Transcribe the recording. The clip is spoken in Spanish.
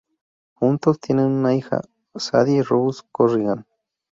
Juntos tienen una hija, Sadie Rose Corrigan.